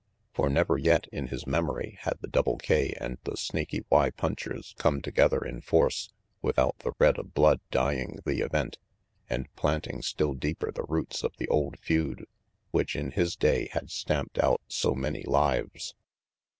For never yet, in his memory, had the Double K and the Snaky Y punchers come together in force without the red of blood dyeing the event and planting still deeper the roots of the old feud which in his day had stamped out so many lives.